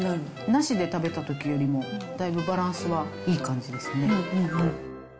なしで食べたときよりも、だいぶバランスがいい感じですね。